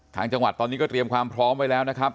จังหวัดตอนนี้ก็เตรียมความพร้อมไว้แล้วนะครับ